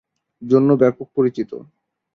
জন্য ব্যপক পরিচিত।